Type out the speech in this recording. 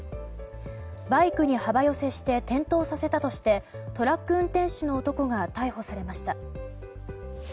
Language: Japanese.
バイクに幅寄せして転倒させたとしてトラック運転手の男が逮捕されました。